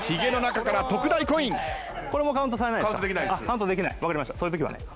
カウントできない分かりましたそういうときはね。